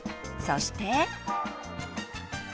そして。